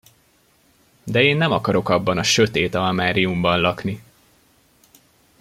De én nem akarok abban a sötét almáriumban lakni!